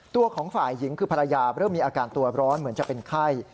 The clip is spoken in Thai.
ตัวของฝ่ายหญิงคือภรรยาเริ่มมีอาการตัวร้อนเหมือนจะเป็นไข้